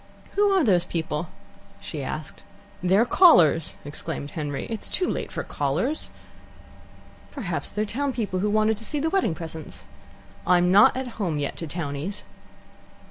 "Who are those people?" she asked. "They're callers!" exclaimed Henry. "It's too late for callers." "Perhaps they're town people who want to see the wedding presents." "I'm not at home yet to townees."